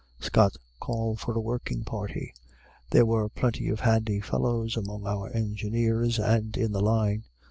Scott called for a working party. There were plenty of handy fellows among our Engineers and in the Line.